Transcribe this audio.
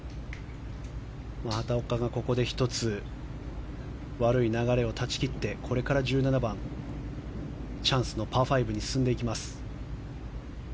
畑岡がここで１つ悪い流れを断ち切ってこれから１７番チャンスのパー５に進んでいきます。